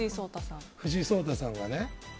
藤井聡太さんがね